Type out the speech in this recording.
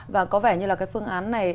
và có vẻ như là cái phương án này